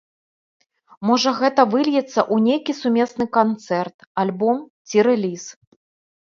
Можа, гэта выльецца ў нейкі сумесны канцэрт, альбом ці рэліз.